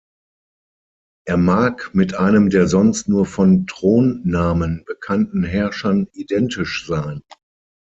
Er mag mit einem der sonst nur von Thronnamen bekannten Herrschern identisch sein.